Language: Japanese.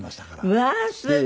うわーすごい。